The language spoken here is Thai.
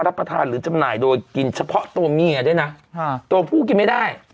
รับประทานหรือจำหน่ายโดยกินเฉพาะตัวเมียด้วยนะตัวผู้กินไม่ได้